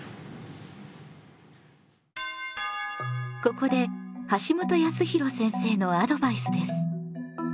ここで橋本康弘先生のアドバイスです。